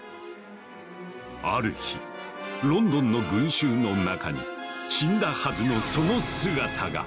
ある日ロンドンの群衆の中に死んだはずのその姿が！